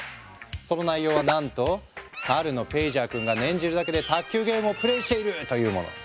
その内容はなんと猿のペイジャー君が念じるだけで卓球ゲームをプレイしている！というもの。